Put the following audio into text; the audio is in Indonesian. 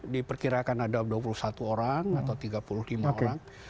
diperkirakan ada dua puluh satu orang atau tiga puluh lima orang